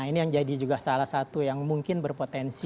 ini yang jadi juga salah satu yang mungkin berpotensi